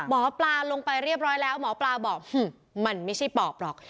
หมอปลาลงไปเรียบร้อยแล้วหมอปลาบอกมันไม่ใช่ปอบหรอก